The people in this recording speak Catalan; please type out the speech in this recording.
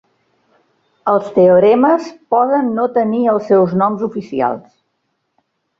Els teoremes poden no tenir els seus noms oficials.